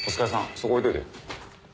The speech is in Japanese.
そこ置いといて。